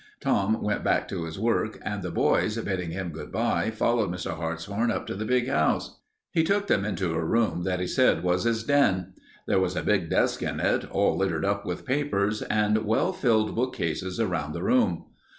Tom went back to his work and the boys, bidding him good by, followed Mr. Hartshorn up to the big house. He took them into a room that he said was his den. There was a big desk in it, all littered up with papers, and well filled bookcases around the room.